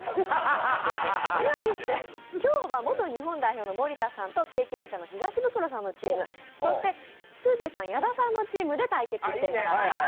今日は、元日本代表の森田さんと経験者の東ブクロさんのチームそしてすーじーさん、矢田さんのチームで対決していただきます。